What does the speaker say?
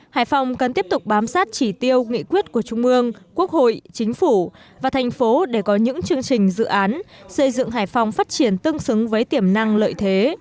hải phòng cần tiếp tục bám sát chỉ tiêu nghị quyết của trung ương quốc hội chính phủ và thành phố để có những chương trình dự án xây dựng hải phòng phát triển tương xứng với tiềm năng lợi thế